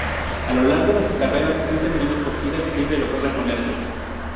A lo largo de su carrera sufrió tremendas cogidas y siempre logró reponerse.